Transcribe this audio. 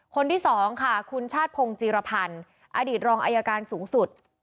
คนที่สองค่ะคุณชาติพงศ์จีรพันธ์อดีตรองอายการสูงสุด